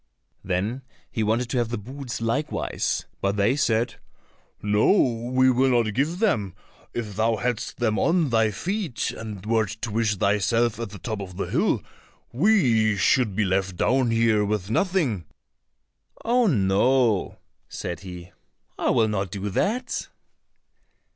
Then he wanted to have the boots likewise, but they said, "No, we will not give them; if thou hadst them on thy feet and wert to wish thyself at the top of the hill, we should be left down here with nothing." "Oh, no," said he, "I will not do that."